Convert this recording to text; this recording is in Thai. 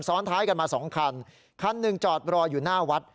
ซ้อนท้ายกันมาสองคันคันหนึ่งจอดรออยู่หน้าวัด